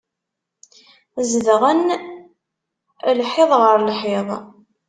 Zedɣen lhiḍ ɣer lhiḍ.